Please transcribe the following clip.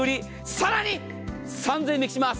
さらに３０００円引きします。